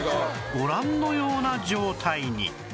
ご覧のような状態に